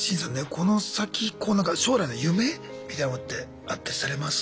この先こうなんか将来の夢みたいなものってあったりされます？